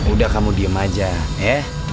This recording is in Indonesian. udah kamu diem aja ya